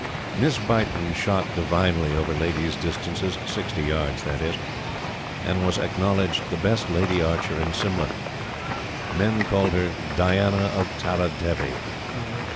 Miss Beighton shot divinely over ladies' distance 60 yards, that is and was acknowledged the best lady archer in Simla. Men called her "Diana of Tara Devi."